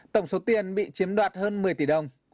tổng số tiền bị chiếm đoạt hơn một mươi tỷ đồng